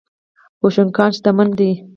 بوشونګان شتمن دي.